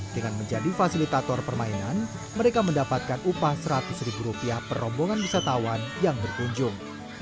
dengan menjadi fasilitator permainan mereka mendapatkan upah seratus ribu rupiah per rombongan wisatawan yang berkunjung